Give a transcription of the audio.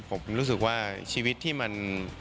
ผมรู้สึกว่าชีวิตที่มัน